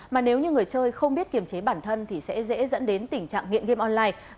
mà nếu như người chơi không biết kiểm chế bản thân thì sẽ dễ dẫn đến tình trạng nghiện game online